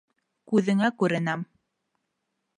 Күҙеңә күренәм!